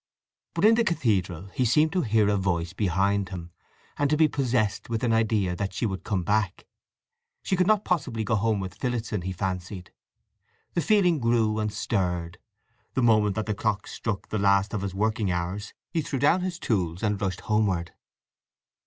But in the cathedral he seemed to hear a voice behind him, and to be possessed with an idea that she would come back. She could not possibly go home with Phillotson, he fancied. The feeling grew and stirred. The moment that the clock struck the last of his working hours he threw down his tools and rushed homeward.